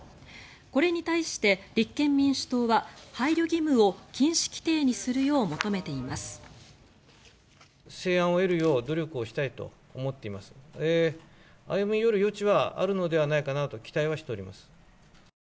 これに対して立憲民主党は配慮義務を禁止規定にするよう求めています。